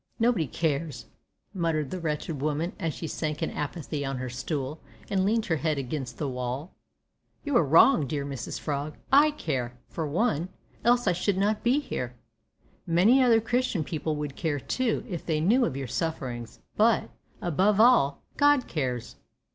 "Nobody cares," muttered the wretched woman as she sank in apathy on her stool and leaned her head against the wall. "You are wrong, dear Mrs Frog. I care, for one, else I should not be here. Many other Christian people would care, too, if they knew of your sufferings; but, above all, God cares.